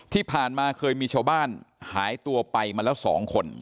ที่ผ่านมาเคยมีชาวบ้านหายตัวไปมาแล้ว๒คน